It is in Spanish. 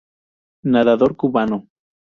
Nadador cubano.